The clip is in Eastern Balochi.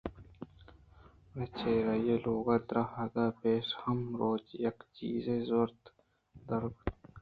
بلے چرآئی ءِ لوگ ءِ درآہگ ءَ پیش ہمک روچ یک چیزے دزّاِت ءُ دراتک